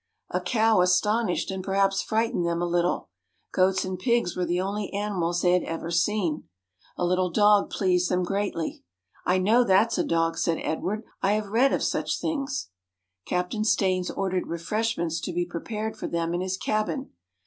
A cow astonished and perhaps frightened them a little. Goats and pigs were the only animals they had ever seen. A little dog pleased them greatly. "I know that's a dog," said Edward; "I have read of such things." Captain Staines ordered refreshments to be prepared for them in his cabin.